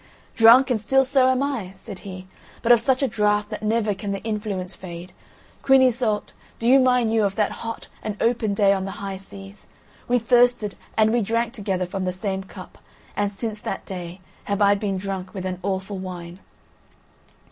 "Drunk, and still so am I," said he, "but of such a draught that never can the influence fade. Queen Iseult, do you mind you of that hot and open day on the high seas? We thirsted and we drank together from the same cup, and since that day have I been drunk with an awful wine."